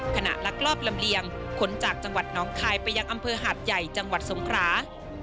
ลักลอบลำเลียงขนจากจังหวัดน้องคายไปยังอำเภอหาดใหญ่จังหวัดสงครา